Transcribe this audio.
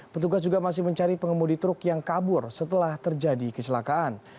petugas juga masih mencari pengemudi truk yang kabur setelah terjadi kecelakaan